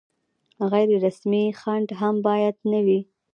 غیر رسمي خنډ هم باید نه وي.